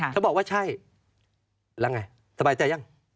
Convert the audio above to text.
เขาบอกว่าใช่แล้วไงสบายใจยัง